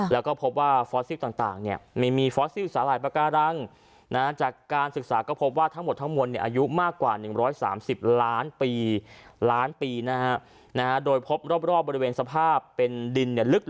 แล้วก็พบว่าฟอร์ซิวต่างนี้